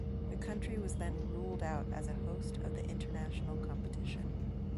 The country was then ruled out as a host of the international competition.